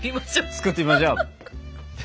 作ってみましょう！